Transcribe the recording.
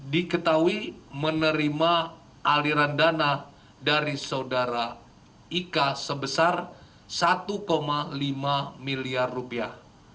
diketahui menerima aliran dana dari saudara ika sebesar satu lima miliar rupiah